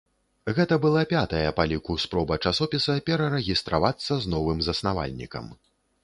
Гэта была пятая па ліку спроба часопіса перарэгістравацца з новым заснавальнікам.